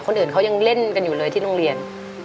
คนอื่นเขายังเล่นกันอยู่เลยที่โรงเรียน